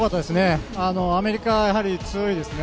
アメリカはやはり強いですね。